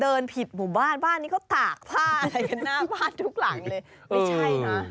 เดินผิดหมู่บ้านบ้านนี้เขาตากผ้าอะไรกัน